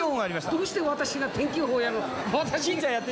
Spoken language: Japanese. どうして私が天気予報やる？